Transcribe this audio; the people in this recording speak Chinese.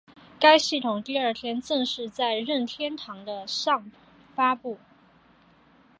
该系统第二天正式在任天堂的上发布。